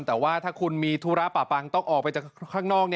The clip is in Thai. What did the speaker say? แต่ว่าถ้าคุณมีธุระปะปังต้องออกไปจากข้างนอก